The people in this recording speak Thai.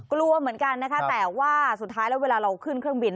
กลัวเหมือนกันนะคะแต่ว่าสุดท้ายแล้วเวลาเราขึ้นเครื่องบิน